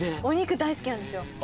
お肉大好きなんですよ。